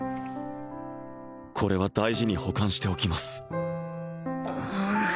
これは大事に保管しておきます